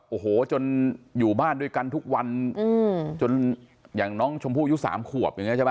โอ้โหจนอยู่บ้านด้วยกันทุกวันจนอย่างน้องชมพู่อายุ๓ขวบอย่างนี้ใช่ไหม